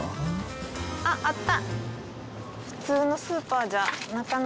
・あっあった。